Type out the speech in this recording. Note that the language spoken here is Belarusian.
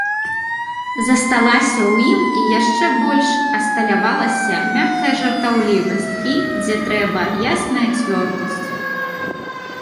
Засталася ў ім і яшчэ больш асталявалася мяккая жартаўлівасць і, дзе трэба, ясная цвёрдасць.